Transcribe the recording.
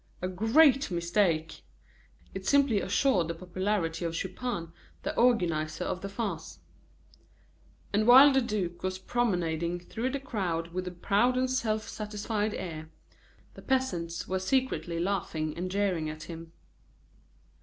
A great mistake! It simply assured the popularity of Chupin, the organizer of the farce. And while the duke was promenading through the crowd with a proud and self satisfied air, the peasants were secretly laughing and jeering at him.